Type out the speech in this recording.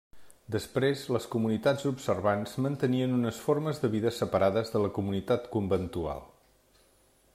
Després, les comunitats observants mantenien unes formes de vida separades de la comunitat conventual.